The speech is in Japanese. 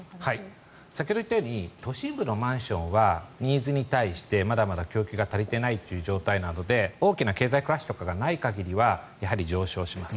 先ほど言ったように都心部のマンションはニーズに対して、まだまだ供給が足りていない状況なので大きな経済クラッシュとかがない限りはやはり上昇します。